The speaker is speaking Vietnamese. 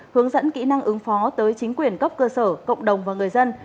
hướng dẫn kỹ năng ứng phó tới chính quyền cấp cơ sở cộng đồng và người dân